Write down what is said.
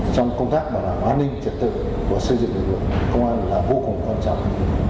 trong công tác bảo đảm an ninh trật tự và xây dựng lực lượng công an là vô cùng quan trọng